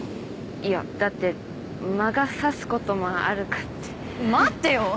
いやだって魔が差すこともあるかって待ってよ